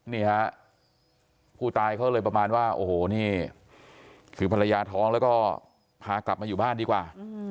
นี่ฮะผู้ตายเขาเลยประมาณว่าโอ้โหนี่คือภรรยาท้องแล้วก็พากลับมาอยู่บ้านดีกว่า